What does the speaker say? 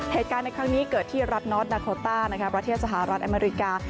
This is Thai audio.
เหตุการณ์ในครั้งนี้เกิดที่รัฐนอสนาโคต้าประเทศสหรัฐอเมริกา